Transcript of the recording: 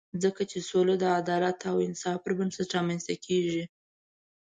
ځکه چې سوله د عدالت او انصاف پر بنسټ رامنځته کېږي.